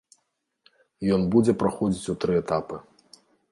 Ён будзе праходзіць у тры этапы.